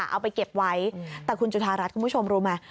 เอาไปเก็บไว้แต่คุณจุธารัฐคุณผู้ชมรู้ไหม